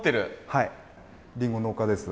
はいりんご農家です。